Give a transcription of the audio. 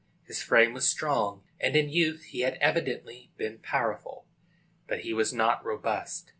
His frame was strong, and in youth he had evidently been powerful, but he was not robust.